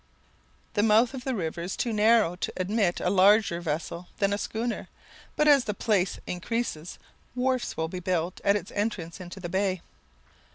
The mouth of the river is too narrow to admit a larger vessel than a schooner, but as the place increases, wharfs will be built at its entrance into the bay.